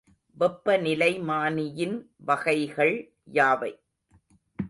வெப்பநிலைமானியின் வகைகள் யாவை?